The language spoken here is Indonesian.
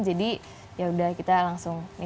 jadi ya udah kita langsung